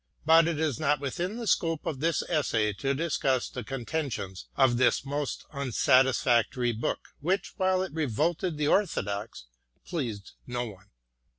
But it is not within the scope of this essay to discuss the contentions of this most unsatisfactory book, which, while it revolted the Orthodox, pleased no one.